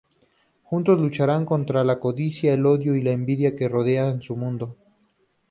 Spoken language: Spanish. Juntos lucharán contra la codicia, el odio y la envidia que rodean su mundo.